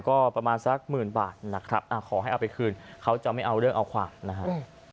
ก็ประมาณสักหมื่นบาทนะครับขอให้เอาไปคืนเขาจะไม่เอาเรื่องเอาความนะครับ